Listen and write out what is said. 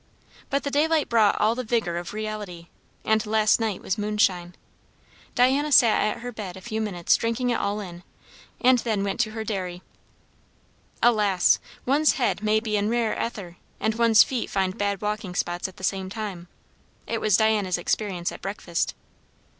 But the daylight brought all the vigour of reality; and last night was moonshine. Diana sat at her window a few minutes drinking it all in, and then went to her dairy. Alas! one's head may be in rare ether, and one's feet find bad walking spots at the same time. It was Diana's experience at breakfast.